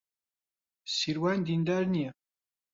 سیروان دیندار نییە.